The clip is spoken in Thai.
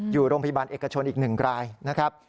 อยู่โรงพยาบาลเอกชนอีก๑รายนะครับ